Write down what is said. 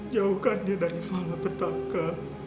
jauhkan dia dari malapetaka